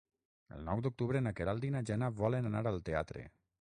El nou d'octubre na Queralt i na Jana volen anar al teatre.